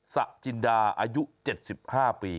สะจินดาอายุ๗๕ปี